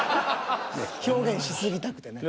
表現し過ぎたくてね。